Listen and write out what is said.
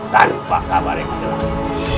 tanpa kabar yang jelas